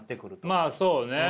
まあそうね。